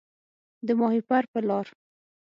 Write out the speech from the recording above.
د ماهیپر په لار